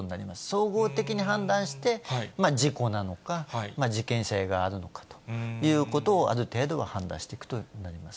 総合的に判断して、事故なのか、事件性があるのかということを、ある程度は判断していくと思いま